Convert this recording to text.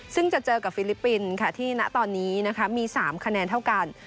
ซึ่งจะเจอกับฟิลิปปินส์ค่ะที่ณตอนนี้นะคะมี๓คะแนนเท่ากัน